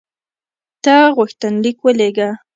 ته غوښتنلیک ولېږه.